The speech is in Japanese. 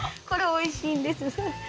これ美味しいんです